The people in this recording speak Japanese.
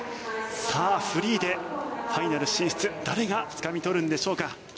さあ、フリーで、ファイナル進出誰がつかみ取るんでしょうか。